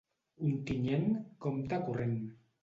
Ontinyent, compte corrent.